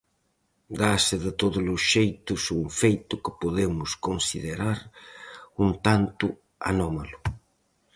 Dáse de tódolos xeitos un feito que podemos considerar un tanto anómalo.